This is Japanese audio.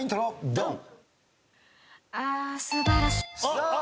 ドン！